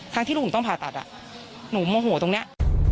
ที่ลูกหนูต้องผ่าตัดหนูโมโหตรงนี้